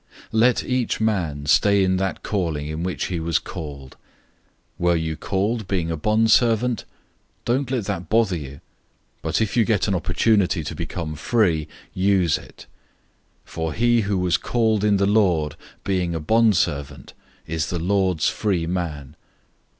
007:020 Let each man stay in that calling in which he was called. 007:021 Were you called being a bondservant? Don't let that bother you, but if you get an opportunity to become free, use it. 007:022 For he who was called in the Lord being a bondservant is the Lord's free man.